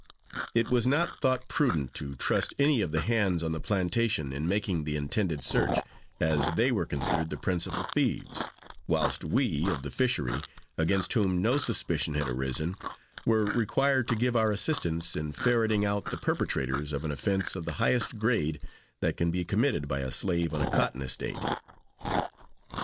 It was not thought prudent to trust any of the hands on the plantation in making the intended search, as they were considered the principal thieves; whilst we, of the fishery, against whom no suspicion had arisen, were required to give our assistance in ferreting out the perpetrators of an offence of the highest grade that can be committed by a slave on a cotton estate.